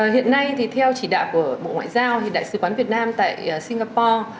hiện nay theo chỉ đạo của bộ ngoại giao đại sứ quán việt nam tại singapore